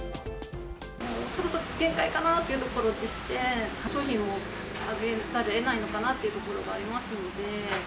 そろそろ限界かなというところでして、商品を上げざるをえないのかなというところがありますので。